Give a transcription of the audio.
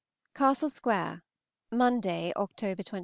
CASTLE SQUARE, Monday (October 24).